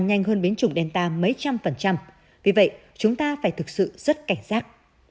nhanh hơn biến chủng delta mấy trăm phần trăm vì vậy chúng ta phải thực sự rất cảnh giác